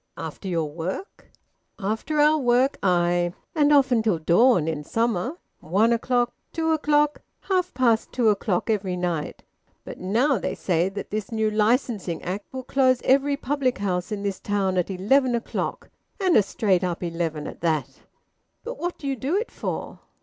"After your work?" "After our work. Aye! And often till dawn in summer. One o'clock, two o'clock, half past two o'clock, every night. But now they say that this new Licensing Act will close every public house in this town at eleven o'clock, and a straight up eleven at that!" "But what do you do it for?"